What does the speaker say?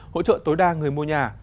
hỗ trợ tối đa người mua nhà